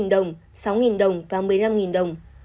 bốn đồng sáu đồng và một mươi năm đồng